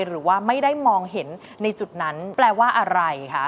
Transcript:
หรือว่าไม่ได้มองเห็นในจุดนั้นแปลว่าอะไรคะ